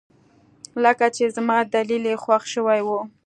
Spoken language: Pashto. لکه چې زما دليل يې خوښ شوى و.